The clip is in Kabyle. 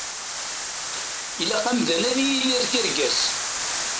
Ilaq amdan ad yidir tirga-s.